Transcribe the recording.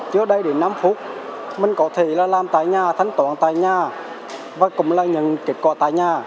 trước đây đến năm phút mình có thể là làm tại nhà thanh toán tại nhà và cũng là nhận kết quả tại nhà